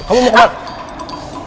kamu mau kemana